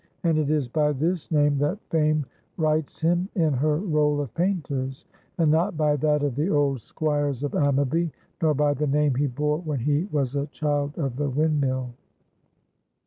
And it is by this name that Fame writes him in her roll of painters, and not by that of the old Squires of Ammaby, nor by the name he bore when he was a Child of the Windmill.